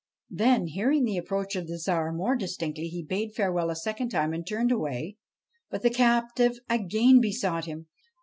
Then, hearing the approach of the Tsar more distinctly, he bade farewell a second time and turned away; but the captive again besought him.